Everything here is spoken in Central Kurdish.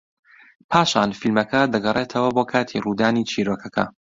پاشان فیلمەکە دەگەڕێتەوە بۆ کاتی ڕوودانی چیرۆکەکە